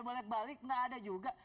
balik balik nggak ada juga